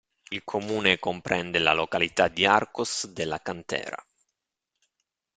Il comune comprende la località di Arcos de la Cantera.